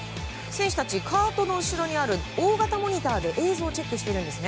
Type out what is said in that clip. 選手たち、カートの後ろにある大型モニターで映像をチェックしているんです。